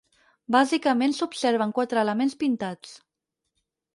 Bàsicament s'observen quatre elements pintats.